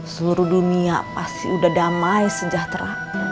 seluruh dunia pasti sudah damai sejahtera